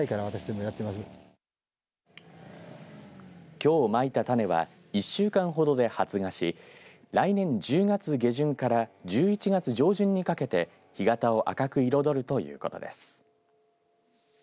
きょうまいた種は１週間ほどで発芽し来年１０月下旬から１１月上旬にかけて干潟を赤く彩るということです。